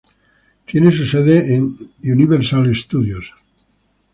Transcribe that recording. Tiene su sede en Universal Studios.